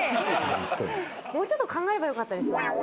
もうちょっと考えればよかったですね。